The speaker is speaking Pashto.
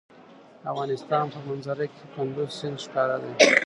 د افغانستان په منظره کې کندز سیند ښکاره ده.